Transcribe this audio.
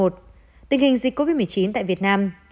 tình hình dịch covid một mươi chín tại việt nam